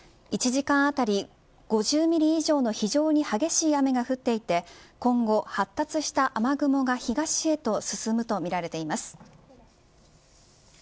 １時間当たり５０ミリ以上の非常に激しい雨が降っていて今後、発達した雨雲が東へと進むとみられています。